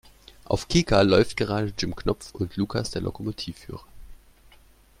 Auf Kika läuft gerade Jim Knopf und Lukas der Lokomotivführer.